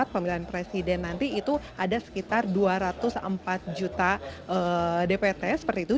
pemilihan presiden nanti itu ada sekitar dua ratus empat juta dpt seperti itu